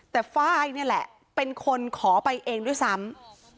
แต่ไฟล์นี่แหละเป็นคนขอไปเองด้วยซ้ำ